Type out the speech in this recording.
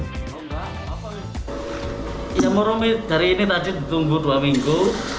yang murah tapi hari ini tak jauh ditunggu dua minggu